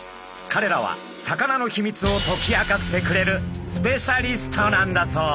かれらはサカナのヒミツを解き明かしてくれるスペシャリストなんだそう。